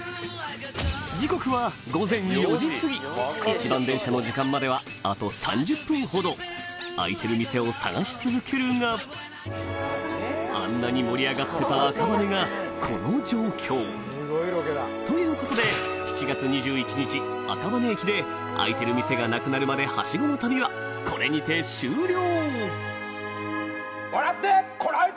時刻は午前４時過ぎ一番電車の時間まではあと３０分ほどあんなに盛り上がってた赤羽がこの状況ということで７月２１日赤羽駅で開いてる店がなくなるまでハシゴの旅はこれにて終了！